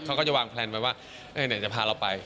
เขาก็จะวางแพลนไปว่าไหนจะพาเราไป